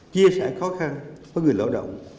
chia sẻ khó khăn với người lao động